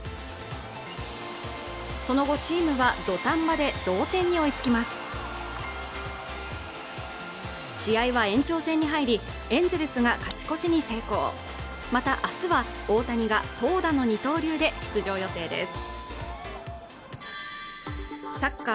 その後チームは土壇場で同点に追いつきます試合は延長戦に入りエンゼルスが勝ち越しに成功また明日は大谷が投打の二刀流で出場予定です